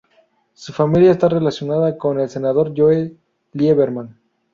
Su familia está relacionada con el Senador Joe Lieberman.